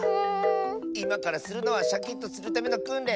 いまからするのはシャキッとするためのくんれん。